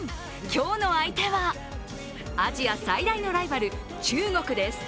今日の相手はアジア最大のライバル・中国です。